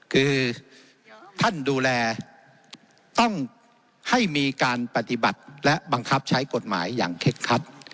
คือท่านดูแลต้องให้มีการปฏิบัติและบังคับใช้กฎหมายอย่างเคล็ดคัด